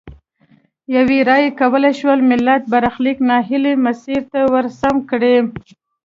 یوې رایې کولای شول ملت برخلیک نا هیلي مسیر ته ورسم کړي.